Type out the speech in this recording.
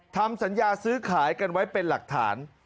ทำสัญญาซื้อขายกันไว้เป็นหลักฐาน